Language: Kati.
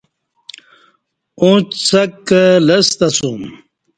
اُݩڅ څک کہ لستہ اسوم